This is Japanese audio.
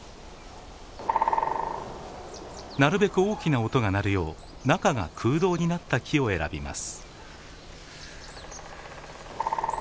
なるべく大きな音が鳴るよう中が空洞になった木を選びます。